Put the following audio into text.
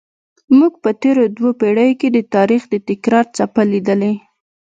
موږ په تېرو دوو پیړیو کې د تاریخ د تکرار څپه لیدلې.